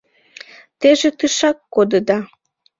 Теже тышак кодыда.